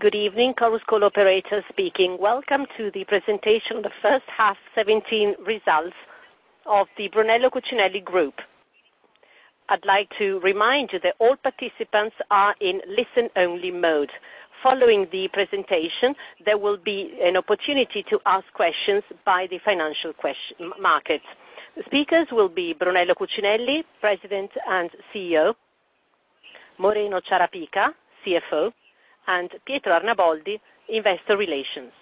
Good evening, conference call operator speaking. Welcome to the presentation of the first half 2017 results of the Brunello Cucinelli Group. I would like to remind you that all participants are in listen-only mode. Following the presentation, there will be an opportunity to ask questions by the financial market. The speakers will be Brunello Cucinelli, President and CEO, Moreno Ciarapica, CFO, and Pietro Arnaboldi, investor relations.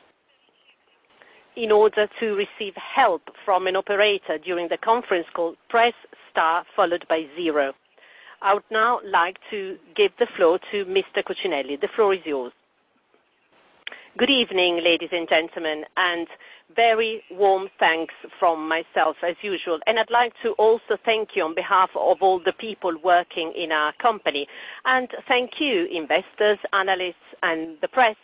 In order to receive help from an operator during the conference call, press star followed by 0. I would now like to give the floor to Mr. Cucinelli. The floor is yours. Good evening, ladies and gentlemen, and very warm thanks from myself as usual. I would like to also thank you on behalf of all the people working in our company. Thank you, investors, analysts, and the press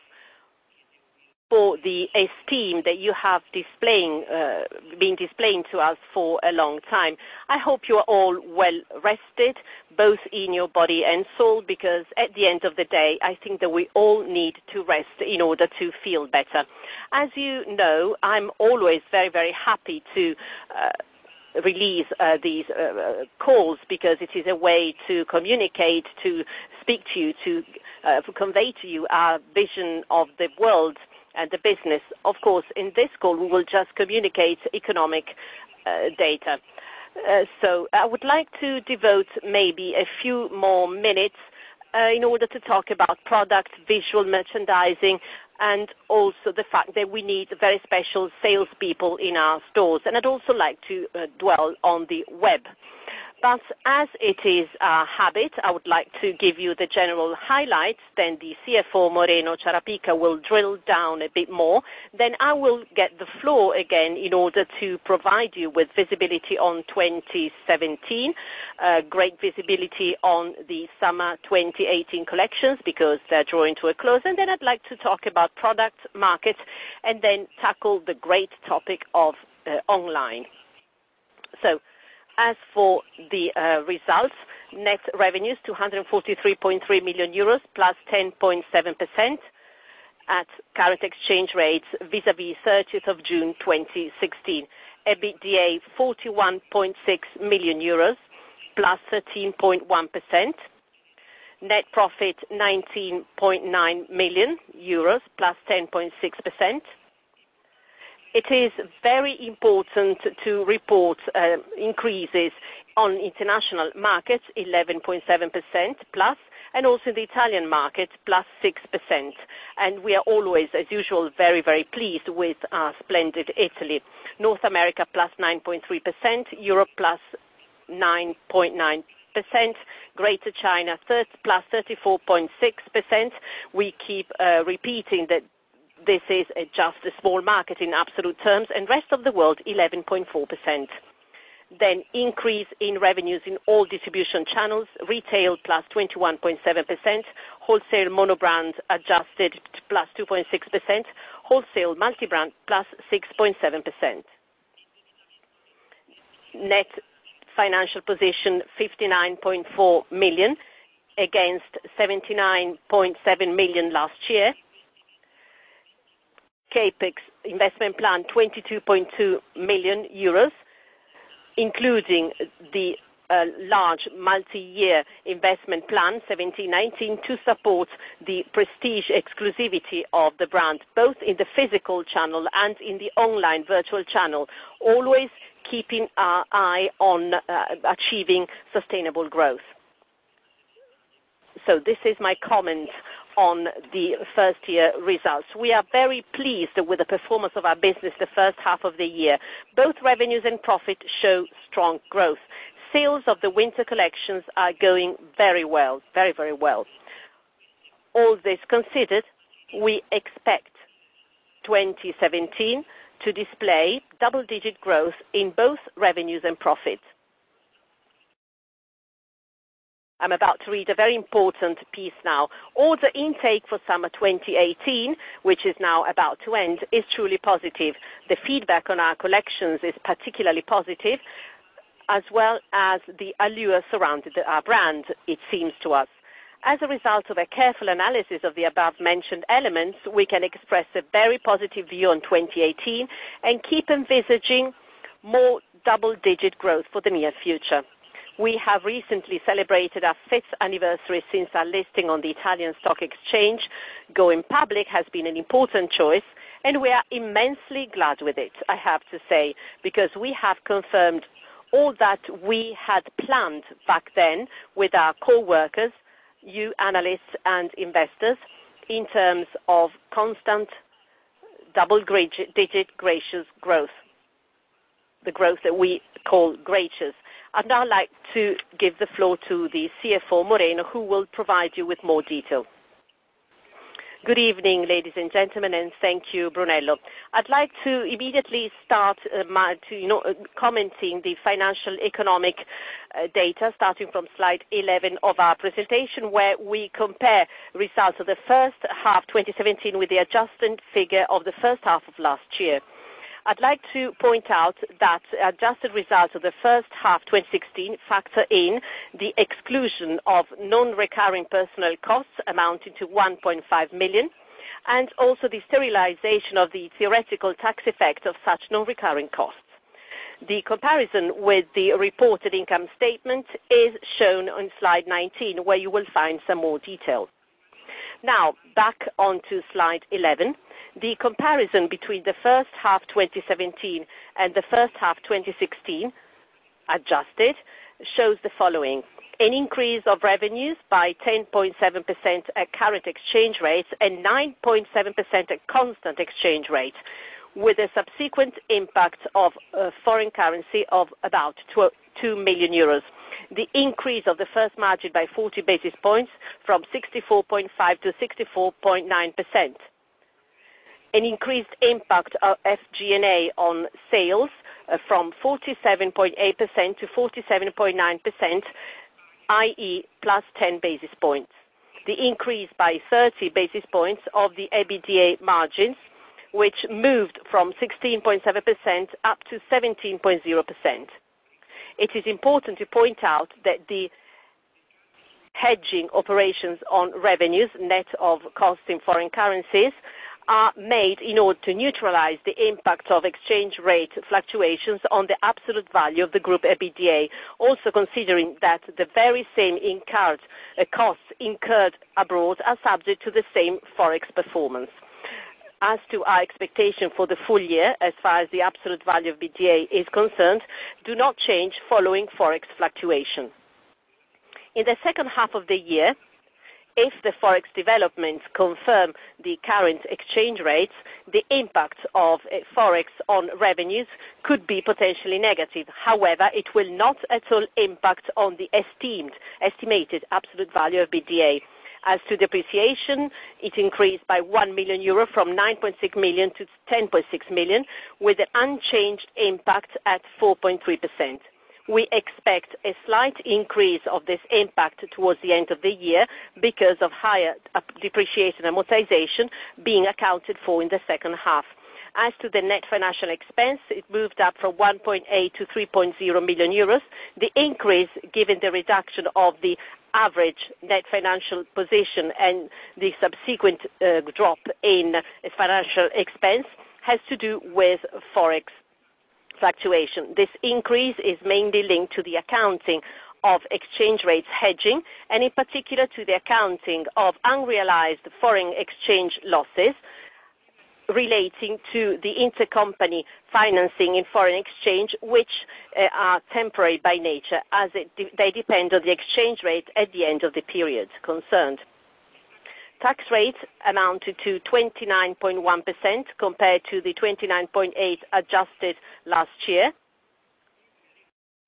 for the esteem that you have been displaying to us for a long time. I hope you are all well rested, both in your body and soul, because at the end of the day, I think that we all need to rest in order to feel better. As you know, I am always very, very happy to release these calls because it is a way to communicate, to speak to you, to convey to you our vision of the world and the business. Of course, in this call, we will just communicate economic data. I would like to devote maybe a few more minutes in order to talk about product, visual merchandising, and also the fact that we need very special salespeople in our stores. I would also like to dwell on the web. As it is our habit, I would like to give you the general highlights, then the CFO, Moreno Ciarapica, will drill down a bit more. I will get the floor again in order to provide you with visibility on 2017, great visibility on the summer 2018 collections because they are drawing to a close, and I would like to talk about product, market, and tackle the great topic of online. As for the results, net revenues, 243.3 million euros, +10.7% at current exchange rates vis-a-vis 30th of June 2016. EBITDA, 41.6 million euros, +13.1%. Net profit, 19.9 million euros, +10.6%. It is very important to report increases on international markets, +11.7%, and also the Italian market, +6%. We are always, as usual, very, very pleased with our splendid Italy. North America, +9.3%. Europe, +9.9%. Greater China, +34.6%. We keep repeating that this is just a small market in absolute terms. Rest of the world, +11.4%. Increase in revenues in all distribution channels. Retail, +21.7%. Wholesale monobrand adjusted, +2.6%. Wholesale multi-brand, +6.7%. Net financial position, 59.4 million against 79.7 million last year. CapEx investment plan, 22.2 million euros, including the large multi-year investment plan 2017-2019 to support the prestige exclusivity of the brand, both in the physical channel and in the online virtual channel, always keeping our eye on achieving sustainable growth. This is my comment on the first half results. We are very pleased with the performance of our business the first half of the year. Both revenues and profit show strong growth. Sales of the winter collections are going very well. All this considered, we expect 2017 to display double-digit growth in both revenues and profit. I am about to read a very important piece now. Order intake for summer 2018, which is now about to end, is truly positive. The feedback on our collections is particularly positive, as well as the allure surrounding our brand, it seems to us. As a result of a careful analysis of the above-mentioned elements, we can express a very positive view on 2018 and keep envisaging more double-digit growth for the near future. We have recently celebrated our fifth anniversary since our listing on the Italian Stock Exchange. Going public has been an important choice, and we are immensely glad with it, I have to say, because we have confirmed all that we had planned back then with our coworkers, you analysts and investors, in terms of constant double-digit gracious growth, the growth that we call gracious. I'd now like to give the floor to the CFO, Moreno, who will provide you with more detail. Good evening, ladies and gentlemen, and thank you, Brunello. I'd like to immediately start commenting the financial economic data, starting from slide 11 of our presentation, where we compare results of the first half 2017 with the adjusted figure of the first half of last year. I'd like to point out that adjusted results of the first half 2016 factor in the exclusion of non-recurring personnel costs amounting to 1.5 million, and also the sterilization of the theoretical tax effect of such non-recurring costs. The comparison with the reported income statement is shown on slide 19, where you will find some more detail. Now, back onto slide 11. The comparison between the first half 2017 and the first half 2016, adjusted, shows the following. An increase of revenues by 10.7% at current exchange rates and 9.7% at constant exchange rate, with a subsequent impact of foreign currency of about 2 million euros. The increase of the first margin by 40 basis points from 64.5%-64.9%. An increased impact of SG&A on sales from 47.8%-47.9%, i.e., plus 10 basis points. The increase by 30 basis points of the EBITDA margins, which moved from 16.7%-17.0%. It is important to point out that the hedging operations on revenues, net of cost in foreign currencies, are made in order to neutralize the impact of exchange rate fluctuations on the absolute value of the Brunello Cucinelli Group EBITDA. Also considering that the very same incurred costs abroad are subject to the same Forex performance. As to our expectation for the full year, as far as the absolute value of EBITDA is concerned, do not change following Forex fluctuation. In the second half of the year, if the Forex developments confirm the current exchange rates, the impact of Forex on revenues could be potentially negative. However, it will not at all impact on the estimated absolute value of EBITDA. As to depreciation, it increased by 1 million euro from 9.6 million-10.6 million, with an unchanged impact at 4.3%. We expect a slight increase of this impact towards the end of the year because of higher depreciation and amortization being accounted for in the second half. As to the net financial expense, it moved up from 1.8 million-3.0 million euros. The increase, given the reduction of the average net financial position and the subsequent drop in financial expense, has to do with Forex fluctuation. This increase is mainly linked to the accounting of exchange rates hedging, in particular to the accounting of unrealized foreign exchange losses relating to the intercompany financing in foreign exchange, which are temporary by nature, as they depend on the exchange rate at the end of the period concerned. Tax rates amounted to 29.1% compared to the 29.8% adjusted last year.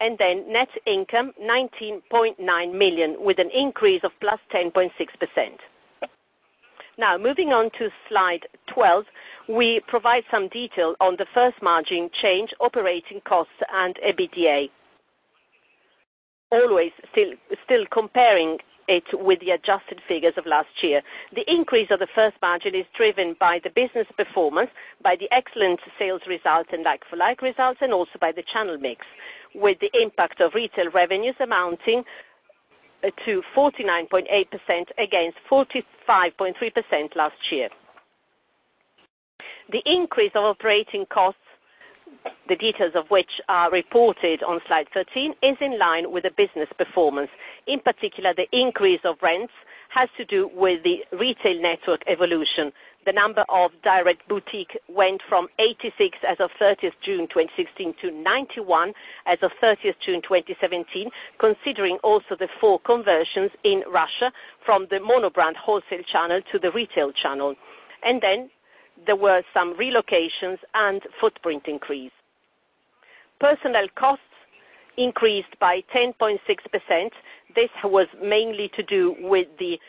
Net income 19.9 million, with an increase of +10.6%. Now, moving on to slide 12. We provide some detail on the first margin change, operating costs and EBITDA. Always still comparing it with the adjusted figures of last year. The increase of the first margin is driven by the business performance, by the excellent sales results and like-for-like results, also by the channel mix, with the impact of retail revenues amounting to 49.8% against 45.3% last year. The increase of operating costs, the details of which are reported on slide 13, is in line with the business performance. In particular, the increase of rents has to do with the retail network evolution. The number of direct boutique went from 86 as of 30th June 2016 to 91 as of 30th June 2017, considering also the four conversions in Russia from the monobrand wholesale channel to the retail channel. There were some relocations and footprint increase. Personnel costs increased by 10.6%. This was mainly to do with the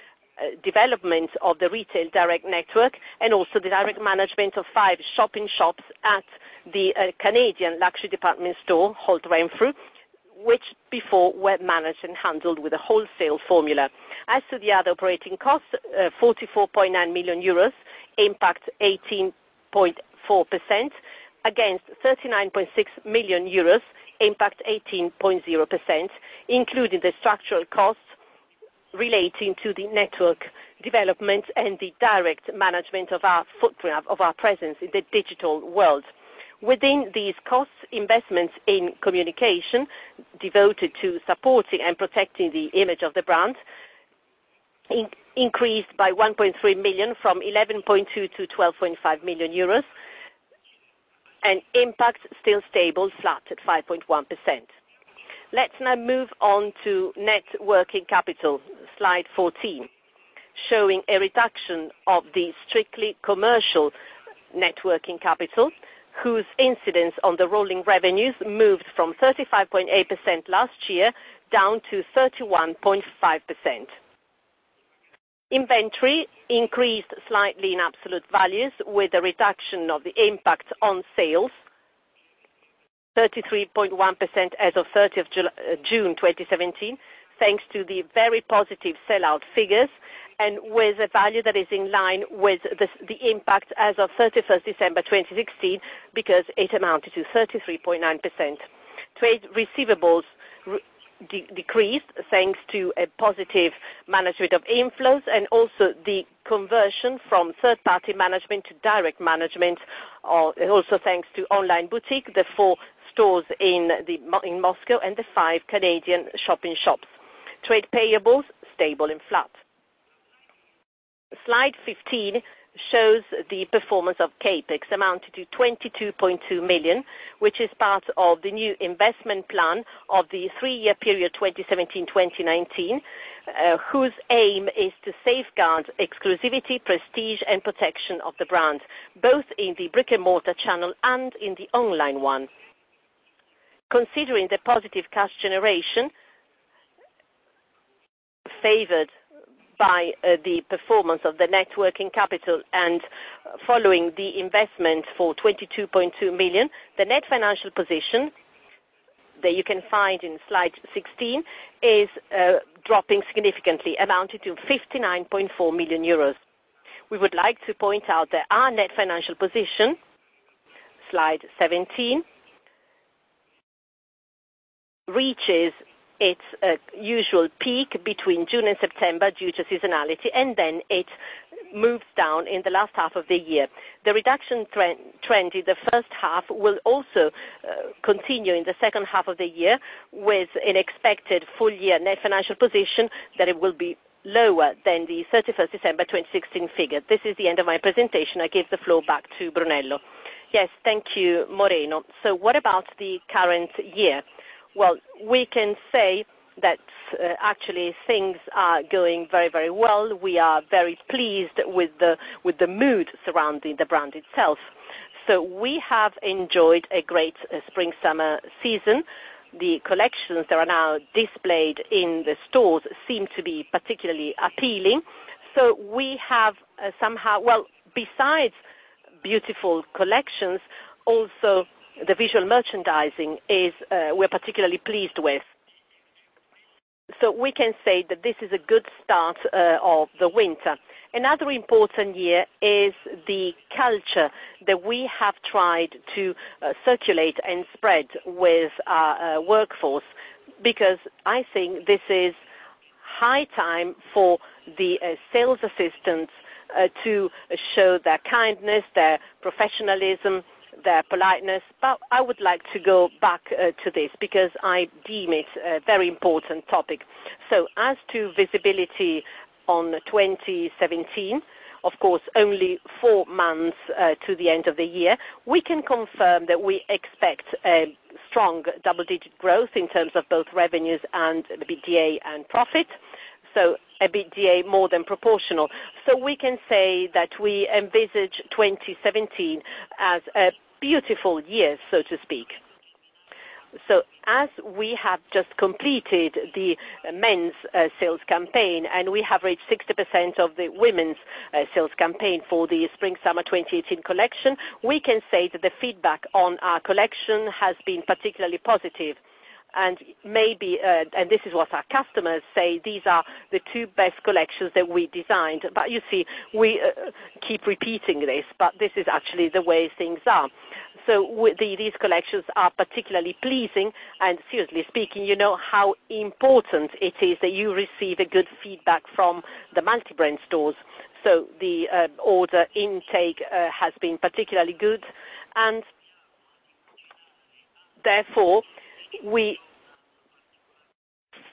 development of the retail direct network and also the direct management of five shop-in-shops at the Canadian luxury department store, Holt Renfrew, which before were managed and handled with a wholesale formula. As to the other operating costs, 44.9 million euros impact 18.4% against 39.6 million euros, impact 18.0%, including the structural costs relating to the network development and the direct management of our footprint, of our presence in the digital world. Within these costs, investments in communication devoted to supporting and protecting the image of the brand increased by 1.3 million from 11.2 million to 12.5 million euros. Impact still stable, flat at 5.1%. Let's now move on to net working capital, slide 14, showing a reduction of the strictly commercial net working capital, whose incidence on the rolling revenues moved from 35.8% last year down to 31.5%. Inventory increased slightly in absolute values with a reduction of the impact on sales. 33.1% as of 30th June 2017, thanks to the very positive sell-out figures and with a value that is in line with the impact as of 31st December 2016, because it amounted to 33.9%. Trade receivables decreased, thanks to a positive management of inflows and also the conversion from third-party management to direct management, also thanks to online boutique, the four stores in Moscow, and the five Canadian shop-in-shops. Trade payables, stable and flat. Slide 15 shows the performance of CapEx, amounted to 22.2 million, which is part of the new investment plan of the three-year period 2017-2019, whose aim is to safeguard exclusivity, prestige, and protection of the brand, both in the brick-and-mortar channel and in the online one. Considering the positive cash generation, favored by the performance of the net working capital and following the investment for 22.2 million, the net financial position that you can find in slide 16, is dropping significantly, amounting to 59.4 million euros. We would like to point out that our net financial position, slide 17, reaches its usual peak between June and September due to seasonality, and then it moves down in the last half of the year. The reduction trend in the first half will also continue in the second half of the year with an expected full year net financial position, that it will be lower than the 31st December 2016 figure. This is the end of my presentation. I give the floor back to Brunello. Yes, thank you, Moreno. What about the current year? We can say that actually things are going very, very well. We are very pleased with the mood surrounding the brand itself. We have enjoyed a great spring/summer season. The collections that are now displayed in the stores seem to be particularly appealing. Besides beautiful collections, also the visual merchandising, we're particularly pleased with. We can say that this is a good start of the winter. Another important year is the culture that we have tried to circulate and spread with our workforce, because I think this is high time for the sales assistants to show their kindness, their professionalism, their politeness. I would like to go back to this, because I deem it a very important topic. As to visibility on 2017, of course, only four months to the end of the year. We can confirm that we expect a strong double-digit growth in terms of both revenues and the EBITDA and profit. EBITDA more than proportional. We can say that we envisage 2017 as a beautiful year, so to speak. As we have just completed the men's sales campaign, and we have reached 60% of the women's sales campaign for the spring/summer 2018 collection, we can say that the feedback on our collection has been particularly positive. This is what our customers say, these are the two best collections that we designed. You see, we keep repeating this, but this is actually the way things are. These collections are particularly pleasing, and seriously speaking, you know how important it is that you receive a good feedback from the multi-brand stores. The order intake has been particularly good, and therefore, we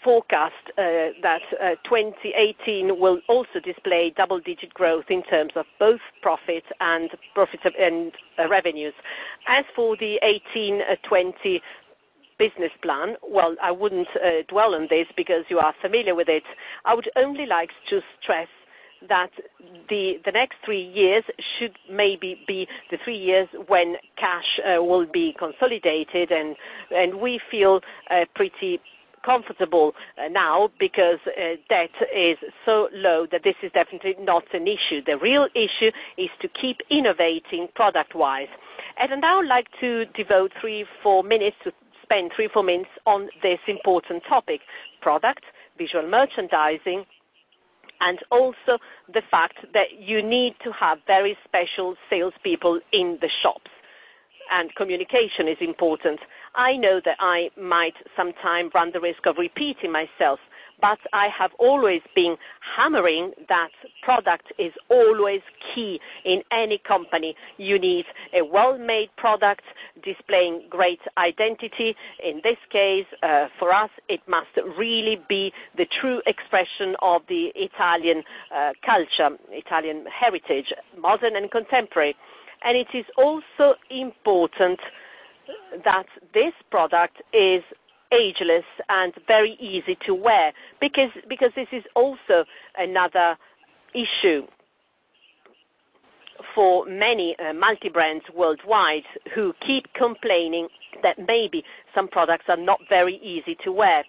forecast that 2018 will also display double-digit growth in terms of both profit and revenues. As for the 2018-2020 business plan, I wouldn't dwell on this because you are familiar with it. I would only like to stress that the next three years should maybe be the three years when cash will be consolidated, and we feel pretty comfortable now because debt is so low that this is definitely not an issue. The real issue is to keep innovating product-wise. Now I would like to devote three, four minutes, to spend three, four minutes on this important topic, product, visual merchandising, and also the fact that you need to have very special salespeople in the shops. Communication is important. I know that I might sometime run the risk of repeating myself, but I have always been hammering that product is always key in any company. You need a well-made product displaying great identity. In this case, for us, it must really be the true expression of the Italian culture, Italian heritage, modern and contemporary. It is also important that this product is ageless and very easy to wear, because this is also another issue for many multi-brands worldwide, who keep complaining that maybe some products are not very easy to wear.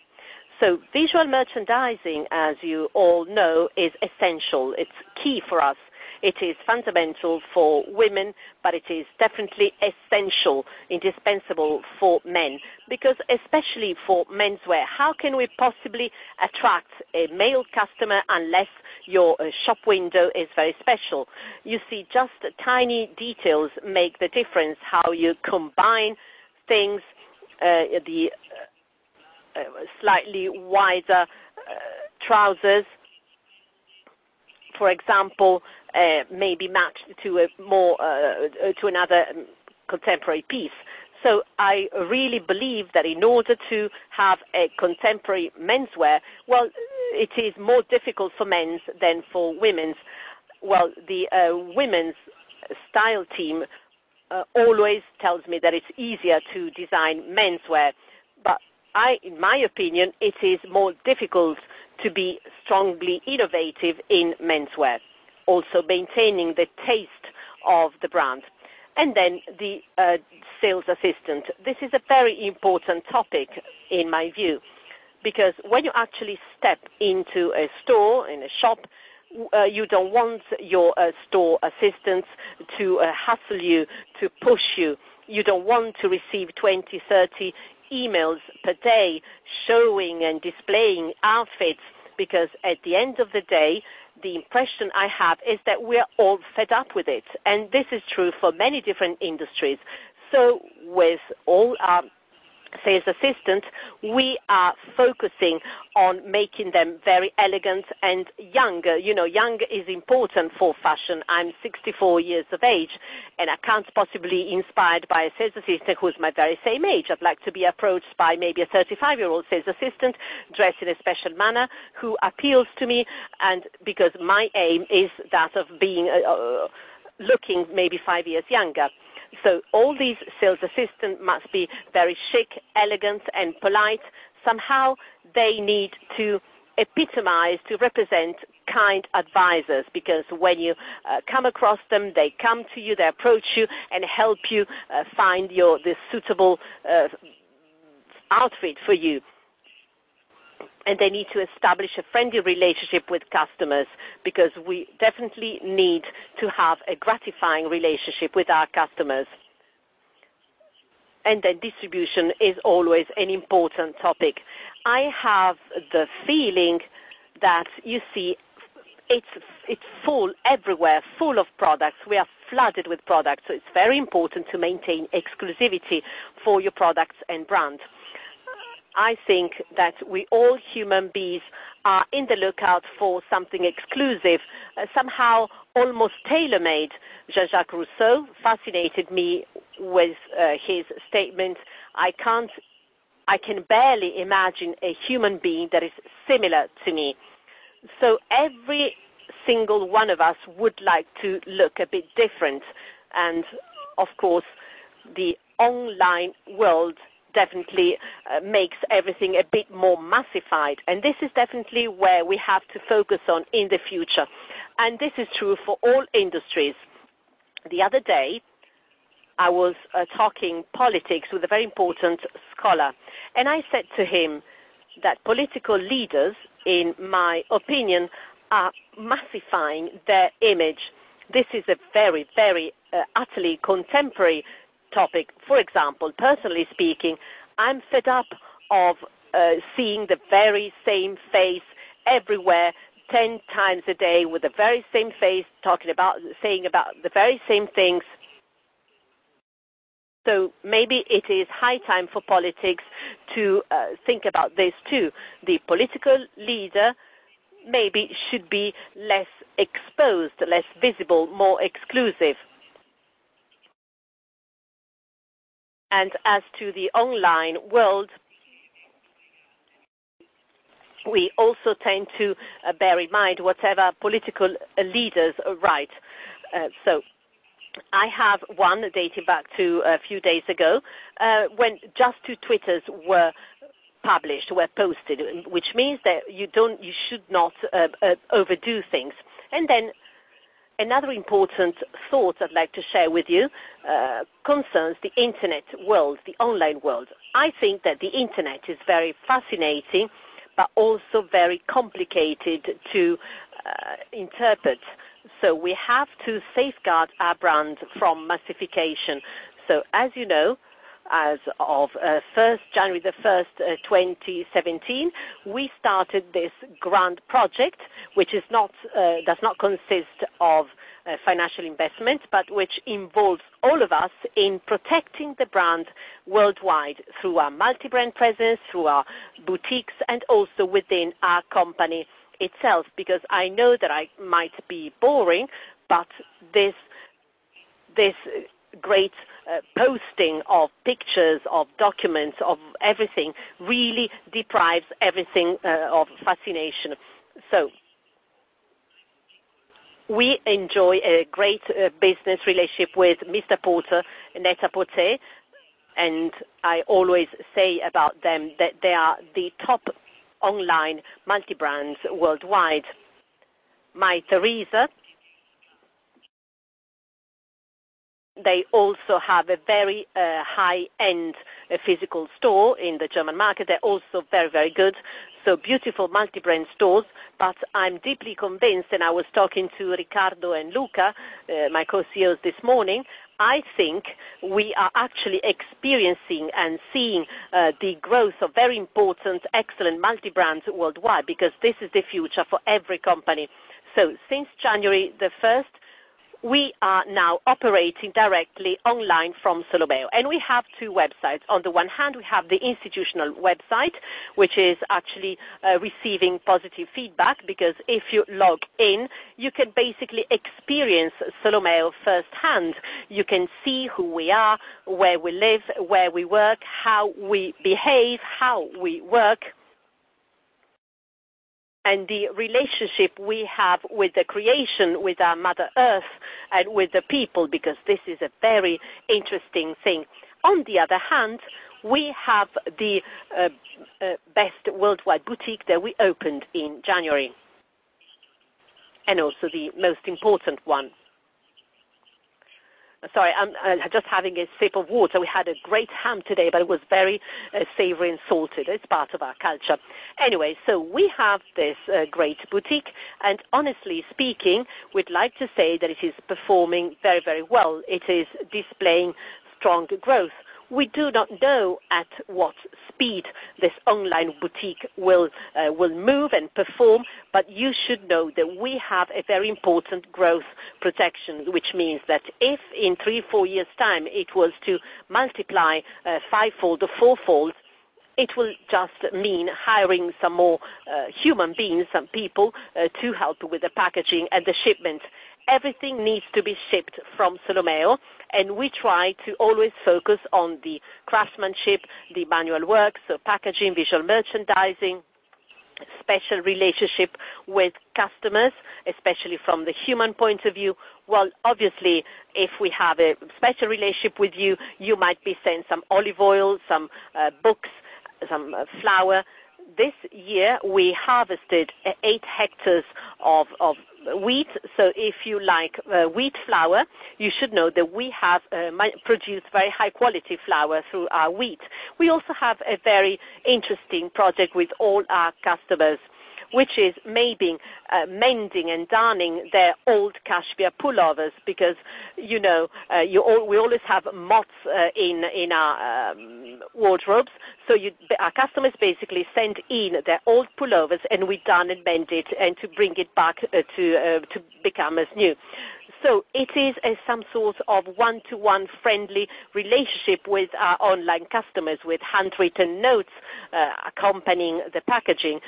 Visual merchandising, as you all know, is essential. It's key for us. It is fundamental for women, but it is definitely essential, indispensable for men. Especially for menswear, how can we possibly attract a male customer unless your shop window is very special? You see, just tiny details make the difference. How you combine things, the slightly wider trousers, for example, may be matched to another contemporary piece. I really believe that in order to have a contemporary menswear, well, it is more difficult for men's than for women's. Well, the women's style team always tells me that it's easier to design menswear, but in my opinion, it is more difficult to be strongly innovative in menswear, also maintaining the taste of the brand. Then the sales assistant. This is a very important topic in my view, because when you actually step into a store, in a shop, you don't want your store assistants to hustle you, to push you. You don't want to receive 20, 30 emails per day showing and displaying outfits, because at the end of the day, the impression I have is that we're all fed up with it. This is true for many different industries. With all our sales assistants, we are focusing on making them very elegant and young. Young is important for fashion. I'm 64 years of age, and I can't possibly be inspired by a sales assistant who's my very same age. I'd like to be approached by maybe a 35-year-old sales assistant, dressed in a special manner, who appeals to me, and because my aim is that of looking maybe five years younger. All these sales assistants must be very chic, elegant, and polite. Somehow, they need to epitomize, to represent kind advisors, because when you come across them, they come to you, they approach you, and help you find the suitable outfit for you. They need to establish a friendly relationship with customers, because we definitely need to have a gratifying relationship with our customers. Then distribution is always an important topic. I have the feeling that, you see, it's full everywhere, full of products. We are flooded with products, it's very important to maintain exclusivity for your products and brand. I think that we, all human beings, are in the lookout for something exclusive, somehow almost tailor-made. Jean-Jacques Rousseau fascinated me with his statement, "I can barely imagine a human being that is similar to me." Every single one of us would like to look a bit different, and, of course, the online world definitely makes everything a bit more massified, this is definitely where we have to focus on in the future. This is true for all industries. The other day, I was talking politics with a very important scholar, I said to him that political leaders, in my opinion, are massifying their image. This is a very, very, utterly contemporary topic. For example, personally speaking, I'm fed up of seeing the very same face everywhere, 10 times a day with the very same face, saying about the very same things. Maybe it is high time for politics to think about this, too. The political leader maybe should be less exposed, less visible, more exclusive. As to the online world, we also tend to bear in mind whatever political leaders write. I have one dating back to a few days ago, when just two Twitters were published, were posted, which means that you should not overdo things. Another important thought I'd like to share with you concerns the Internet world, the online world. I think that the Internet is very fascinating, but also very complicated to interpret. We have to safeguard our brand from massification. As you know, as of January 1st, 2017, we started this grand project, which does not consist of financial investment, but which involves all of us in protecting the brand worldwide through our multi-brand presence, through our boutiques, and also within our company itself. Because I know that I might be boring, but this great posting of pictures, of documents, of everything, really deprives everything of fascination. We enjoy a great business relationship with MR PORTER, NET-A-PORTER, and I always say about them that they are the top online multi-brands worldwide. Mytheresa They also have a very high-end physical store in the German market. They're also very, very good. Beautiful multi-brand stores. I'm deeply convinced, and I was talking to Riccardo and Luca, my Co-CEOs, this morning, I think we are actually experiencing and seeing the growth of very important, excellent multi-brands worldwide because this is the future for every company. Since January the 1st, we are now operating directly online from Solomeo, and we have two websites. On the one hand, we have the institutional website, which is actually receiving positive feedback because if you log in, you can basically experience Solomeo firsthand. You can see who we are, where we live, where we work, how we behave, how we work, and the relationship we have with the creation, with our Mother Earth, and with the people, because this is a very interesting thing. On the other hand, we have the best worldwide boutique that we opened in January, and also the most important one. Sorry, I'm just having a sip of water. We had a great ham today, but it was very savory and salted. It's part of our culture. We have this great boutique, and honestly speaking, we'd like to say that it is performing very, very well. It is displaying strong growth. We do not know at what speed this online boutique will move and perform, but you should know that we have a very important growth protection, which means that if in three, four years' time it was to multiply fivefold or fourfold, it will just mean hiring some more human beings, some people, to help with the packaging and the shipment. Everything needs to be shipped from Solomeo, and we try to always focus on the craftsmanship, the manual work, so packaging, visual merchandising, special relationship with customers, especially from the human point of view. Obviously, if we have a special relationship with you might be sent some olive oil, some books, some flour. This year, we harvested eight hectares of wheat. If you like wheat flour, you should know that we have produced very high-quality flour through our wheat. We also have a very interesting project with all our customers, which is maybe mending and darning their old cashmere pullovers because we always have moths in our wardrobes. Our customers basically send in their old pullovers, and we darn and mend it and to bring it back to become as new. It is some sort of one-to-one friendly relationship with our online customers, with handwritten notes accompanying the packaging.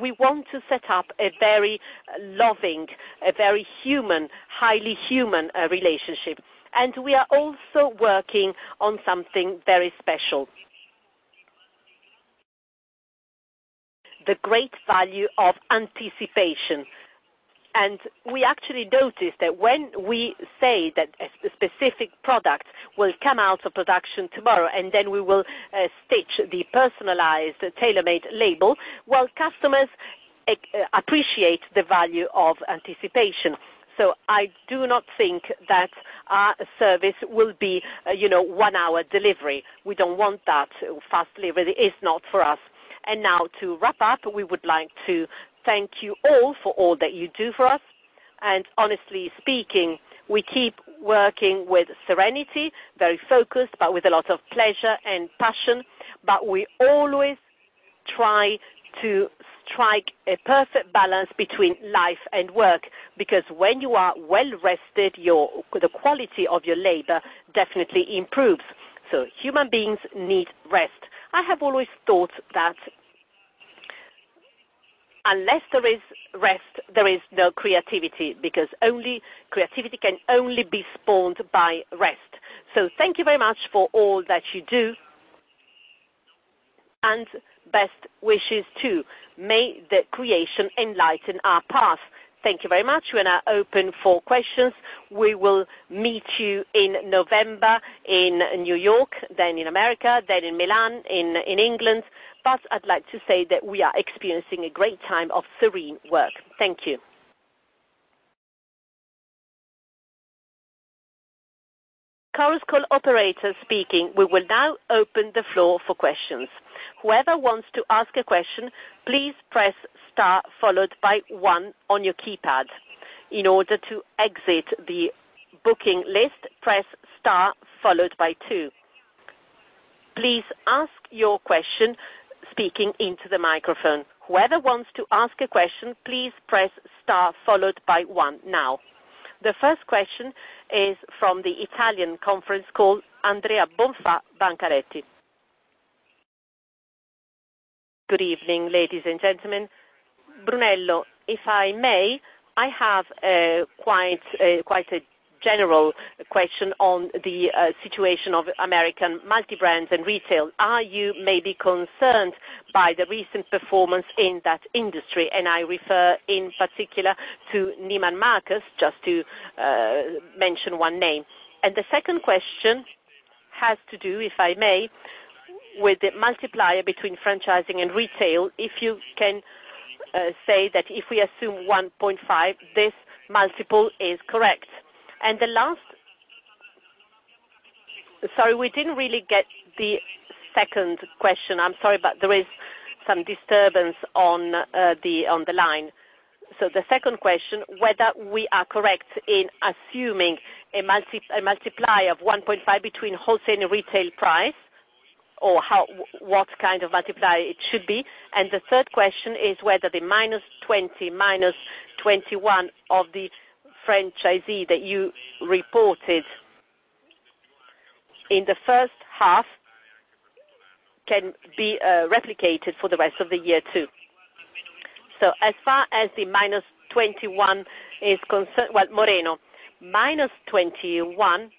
We want to set up a very loving, a very human, highly human relationship. We are also working on something very special. The great value of anticipation. We actually noticed that when we say that a specific product will come out of production tomorrow, and then we will stitch the personalized tailor-made label, customers appreciate the value of anticipation. I do not think that our service will be one-hour delivery. We don't want that. Fast delivery is not for us. Now to wrap up, we would like to thank you all for all that you do for us. Honestly speaking, we keep working with serenity, very focused, but with a lot of pleasure and passion. We always try to strike a perfect balance between life and work, because when you are well-rested, the quality of your labor definitely improves. Human beings need rest. I have always thought that unless there is rest, there is no creativity, because creativity can only be spawned by rest. Thank you very much for all that you do, and best wishes, too. May the creation enlighten our path. Thank you very much. We now open for questions. We will meet you in November in New York, then in America, then in Milan, in England. I'd like to say that we are experiencing a great time of serene work. Thank you. Conference call operator speaking. We will now open the floor for questions. Whoever wants to ask a question, please press star followed by one on your keypad. In order to exit the booking list, press star followed by two. Please ask your question speaking into the microphone. Whoever wants to ask a question, please press star followed by one now. The first question is from the Italian conference call, Andrea Bonfà, Banca Akros. Good evening, ladies and gentlemen. Brunello, if I may, I have quite a general question on the situation of American multi-brands and retail. Are you maybe concerned by the recent performance in that industry? I refer in particular to Neiman Marcus, just to mention one name. The second question has to do, if I may, with the multiplier between franchising and retail. If you can say that if we assume 1.5, this multiple is correct. The last Sorry, we didn't really get the second question. I'm sorry, there is some disturbance on the line. The second question, whether we are correct in assuming a multiplier of 1.5 between wholesale and retail price, or what kind of multiplier it should be. The third question is whether the -20, -21 of the franchisee that you reported? In the first half can be replicated for the rest of the year, too. As far as the -21 is concerned, Moreno, -21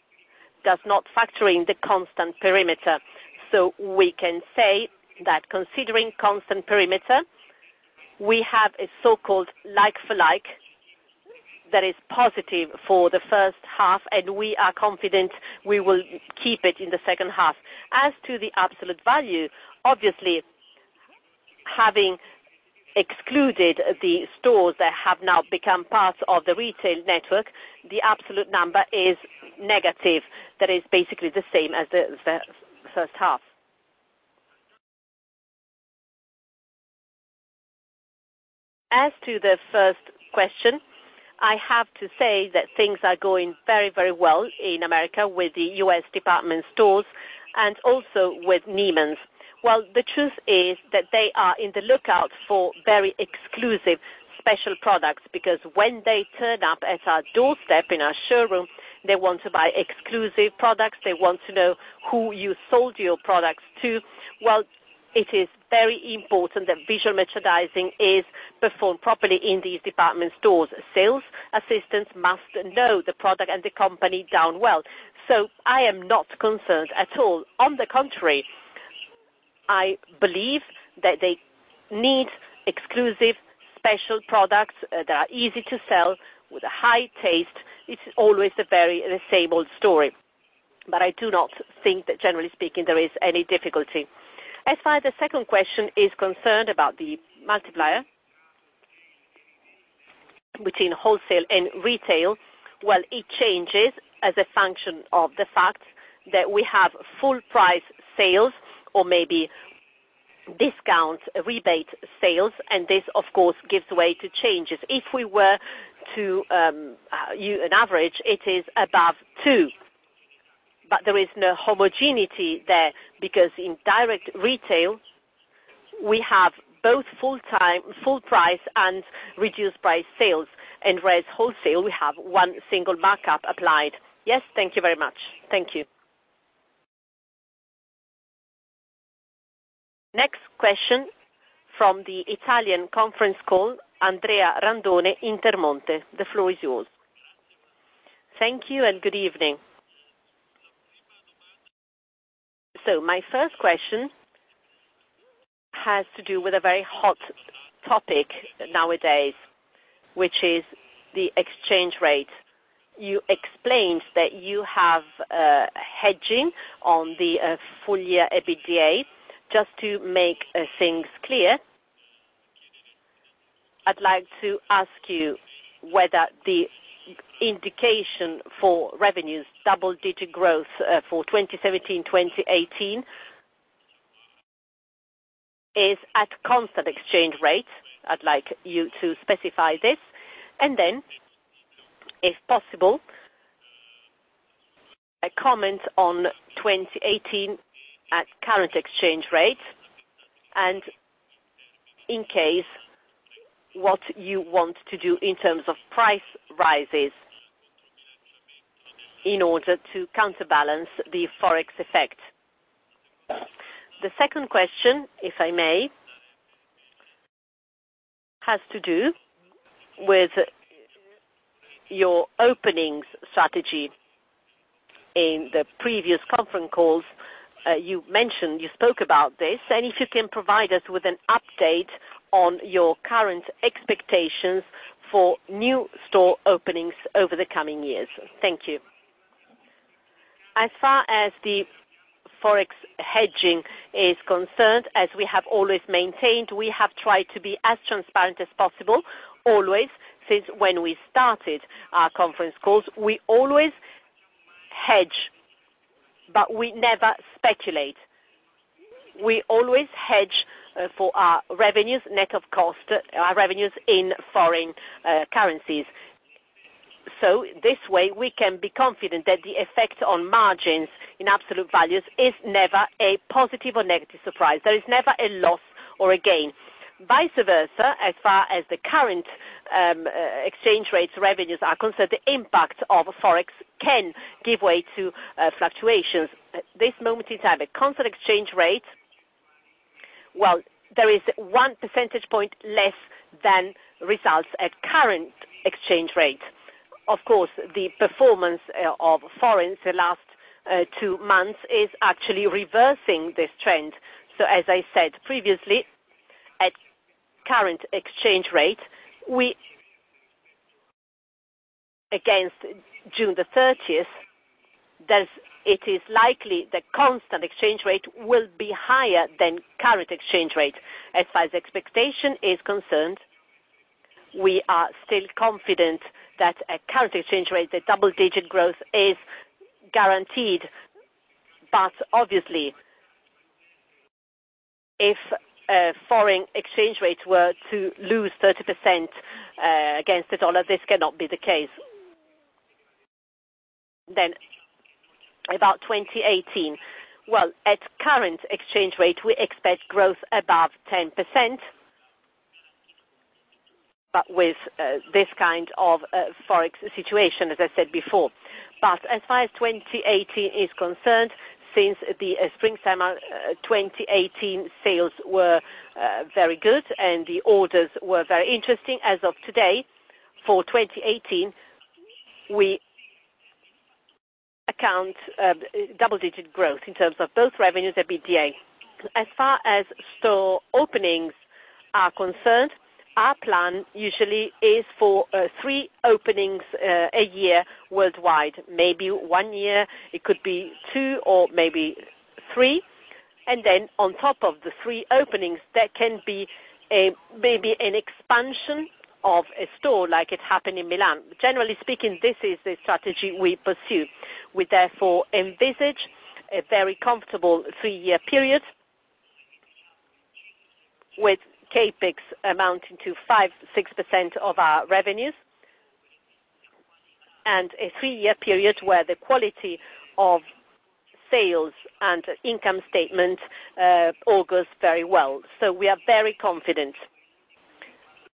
does not factor in the constant perimeter. We can say that considering constant perimeter, we have a so-called like-for-like that is positive for the first half, and we are confident we will keep it in the second half. As to the absolute value, obviously, having excluded the stores that have now become part of the retail network, the absolute number is negative. That is basically the same as the first half. As to the first question, I have to say that things are going very well in America with the U.S. department stores and also with Neiman's. The truth is that they are on the lookout for very exclusive special products, because when they turn up at our doorstep in our showroom, they want to buy exclusive products. They want to know who you sold your products to. It is very important that visual merchandising is performed properly in these department stores. Sales assistants must know the product and the company very well. I am not concerned at all. On the contrary, I believe that they need exclusive special products that are easy to sell with a high taste. It's always the very same old story. I do not think that generally speaking, there is any difficulty. As far as the second question is concerned about the multiplier between wholesale and retail, it changes as a function of the fact that we have full price sales or maybe discount rebate sales, and this, of course, gives way to changes. If we were to view an average, it is above two. There is no homogeneity there because in direct retail, we have both full price and reduced price sales, and whereas wholesale, we have one single markup applied. Yes, thank you very much. Thank you. Next question from the Italian conference call, Andrea Randone, Intermonte. The floor is yours. Thank you and good evening. My first question has to do with a very hot topic nowadays, which is the exchange rate. You explained that you have a hedging on the full year EBITDA. Just to make things clear, I'd like to ask you whether the indication for revenues double-digit growth for 2017-2018 is at constant exchange rates. I'd like you to specify this, and then, if possible, a comment on 2018 at current exchange rates, and in case, what you want to do in terms of price rises in order to counterbalance the Forex effect. The second question, if I may, has to do with your openings strategy. In the previous conference calls, you spoke about this, and if you can provide us with an update on your current expectations for new store openings over the coming years. Thank you. As far as the Forex hedging is concerned, as we have always maintained, we have tried to be as transparent as possible, always, since when we started our conference calls. We always hedge, but we never speculate. We always hedge for our revenues net of cost, our revenues in foreign currencies. This way, we can be confident that the effect on margins in absolute values is never a positive or negative surprise. There is never a loss or a gain. Vice versa, as far as the current exchange rates revenues are concerned, the impact of Forex can give way to fluctuations. At this moment in time, at constant exchange rate, well, there is one percentage point less than results at current exchange rate. Of course, the performance of foreign the last two months is actually reversing this trend. As I said previously, at current exchange rate, we Against June 30th, it is likely the constant exchange rate will be higher than current exchange rate. As far as expectation is concerned, we are still confident that at current exchange rate, the double-digit growth is guaranteed. Obviously, if foreign exchange rates were to lose 30% against the USD, this cannot be the case. About 2018. Well, at current exchange rate, we expect growth above 10%, but with this kind of Forex situation, as I said before. As far as 2018 is concerned, since the spring, summer 2018, sales were very good, and the orders were very interesting. As of today, for 2018, we account double-digit growth in terms of both revenues and EBITDA. As far as store openings are concerned, our plan usually is for three openings a year worldwide. Maybe one year it could be two or maybe three. On top of the three openings, there can be maybe an expansion of a store like it happened in Milan. Generally speaking, this is the strategy we pursue. We therefore envisage a very comfortable three-year period with CapEx amounting to 5%-6% of our revenues, and a three-year period where the quality of sales and income statement augurs very well. We are very confident.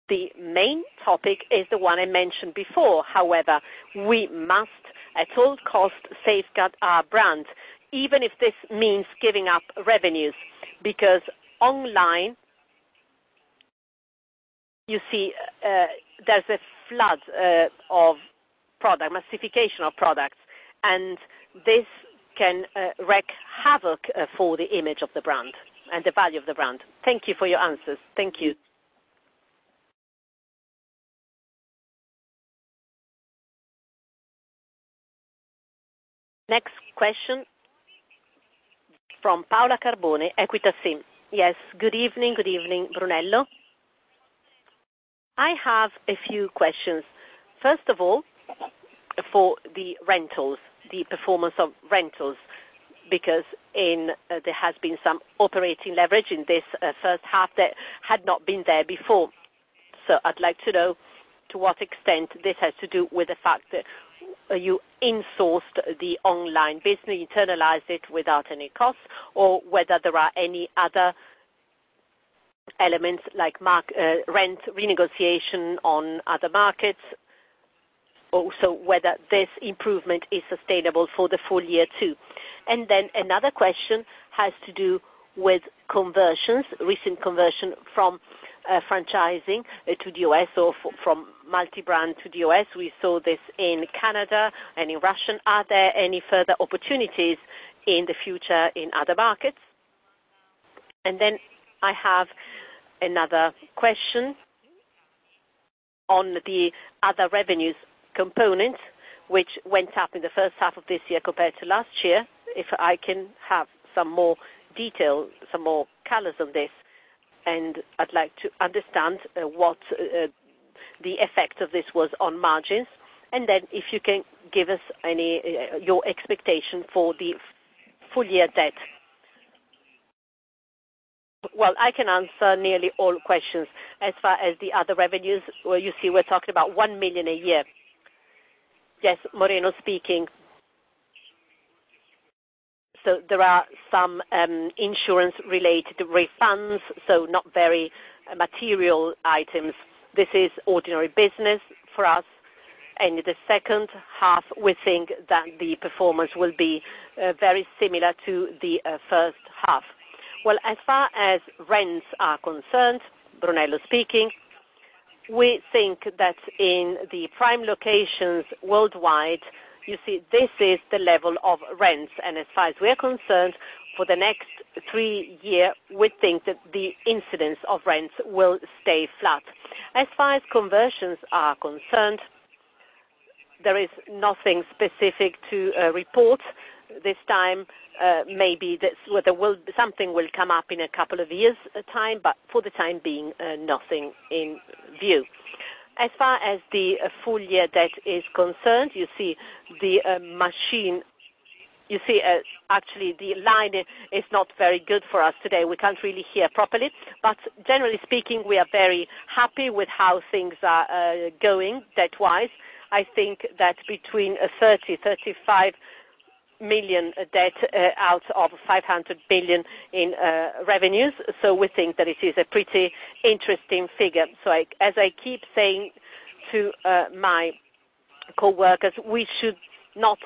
The main topic is the one I mentioned before. However, we must at all costs safeguard our brand, even if this means giving up revenues. Online, you see there's a flood of product, massification of products, and this can wreak havoc for the image of the brand and the value of the brand. Thank you for your answers. Thank you. Next question from Paola Carboni, Equita SIM. Yes. Good evening. Good evening, Brunello. I have a few questions. First of all, for the rentals, the performance of rentals, because there has been some operating leverage in this first half that had not been there before. I'd like to know to what extent this has to do with the fact that you insourced the online business, internalized it without any costs, or whether there are any other elements like rent renegotiation on other markets. Also, whether this improvement is sustainable for the full year, too. Another question has to do with conversions, recent conversion from franchising to DOS or from multi-brand to DOS. We saw this in Canada and in Russia. Are there any further opportunities in the future in other markets? I have another question on the other revenues component, which went up in the first half of this year compared to last year. If I can have some more detail, some more colors on this, and I'd like to understand what the effect of this was on m argins. If you can give us your expectation for the full-year debt. I can answer nearly all questions. As far as the other revenues, you see we're talking about 1 million a year. Moreno speaking. There are some insurance-related refunds, not very material items. This is ordinary business for us. In the second half, we think that the performance will be very similar to the first half. As far as rents are concerned, Brunello Cucinelli speaking, we think that in the prime locations worldwide, you see this is the level of rents. As far as we are concerned, for the next three year, we think that the incidence of rents will stay flat. As far as conversions are concerned, there is nothing specific to report this time. Maybe something will come up in a couple of years' time, for the time being, nothing in view. As far as the full-year debt is concerned, actually, the line is not very good for us today. We can't really hear properly. Generally speaking, we are very happy with how things are going debt-wise. I think that between 30 million-35 million debt out of 500 million in revenues. We think that it is a pretty interesting figure. As I keep saying to my coworkers, we should not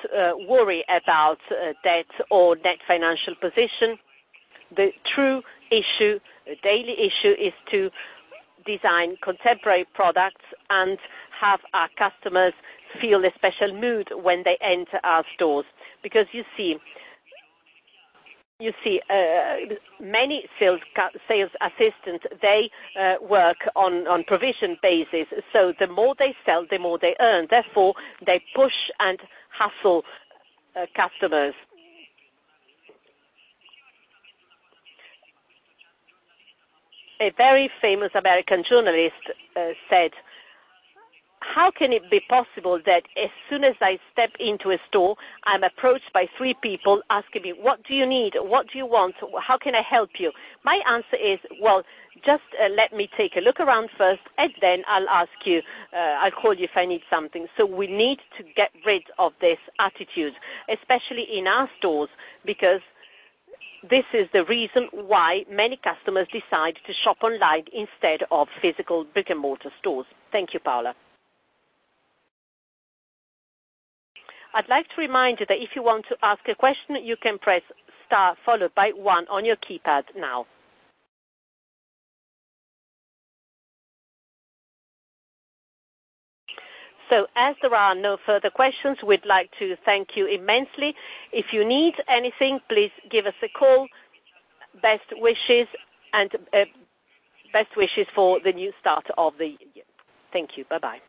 worry about debt or net financial position. The true issue, daily issue, is to design contemporary products and have our customers feel a special mood when they enter our stores. You see, many sales assistants, they work on provision basis. The more they sell, the more they earn. Therefore, they push and hustle customers. A very famous American journalist said, "How can it be possible that as soon as I step into a store, I'm approached by three people asking me, 'What do you need? What do you want? How can I help you?'" My answer is, "Well, just let me take a look around first, and then I'll ask you. I'll call you if I need something." We need to get rid of this attitude, especially in our stores, because this is the reason why many customers decide to shop online instead of physical brick-and-mortar stores. Thank you, Paola Carboni. I'd like to remind you that if you want to ask a question, you can press star followed by one on your keypad now. As there are no further questions, we'd like to thank you immensely. If you need anything, please give us a call. Best wishes, best wishes for the new start of the year. Thank you. Bye-bye.